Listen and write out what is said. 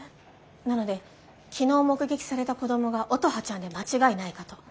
なので昨日目撃された子供が乙葉ちゃんで間違いないかと。